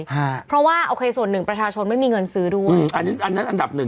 ฮะเพราะว่าโอเคส่วนหนึ่งประชาชนไม่มีเงินซื้อด้วยอืมอันนี้อันนั้นอันดับหนึ่ง